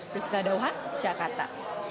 prisca dauhan jakarta